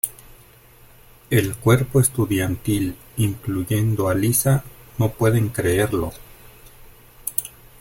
El cuerpo estudiantil, incluyendo a Lisa, no pueden creerlo.